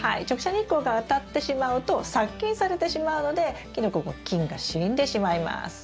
直射日光が当たってしまうと殺菌されてしまうのでキノコの菌が死んでしまいます。